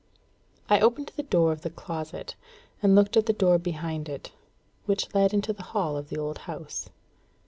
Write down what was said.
I opened the door of the closet, and looked at the door behind it, which led into the hall of the old house.